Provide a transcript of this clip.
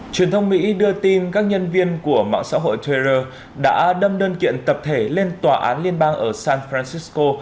truyền thông mỹ đưa tin các nhân viên của mạng xã hội twiter đã đâm đơn kiện tập thể lên tòa án liên bang ở san francisco